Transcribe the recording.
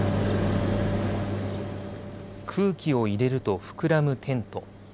空気を入れると膨らむテント。